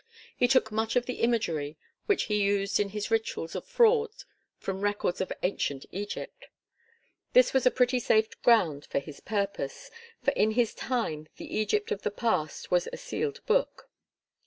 He took much of the imagery which he used in his rituals of fraud from records of ancient Egypt. This was a pretty safe ground for his purpose, for in his time the Egypt of the past was a sealed book.